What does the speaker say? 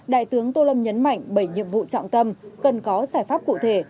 đại tướng tô lâm nhấn mạnh bảy nhiệm vụ trọng tâm cần có giải pháp cụ thể